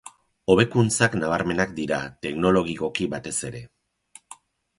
Hobekuntzak nabarmenak dira, teknologikoki batez ere.